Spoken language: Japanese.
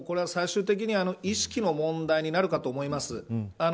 これは最終的な意識の問題になるかと思います。